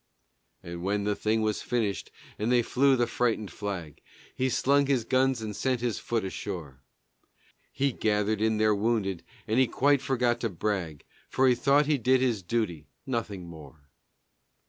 And when the thing was finished and they flew the frightened flag, He slung his guns and sent his foot ashore, And he gathered in their wounded, and he quite forgot to brag, For he thought he did his duty, nothing more.